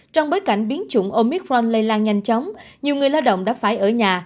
trong bối cảnh biến chủng omitron lây lan nhanh chóng nhiều người lao động đã phải ở nhà